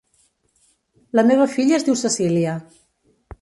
La meva filla es diu Cecília.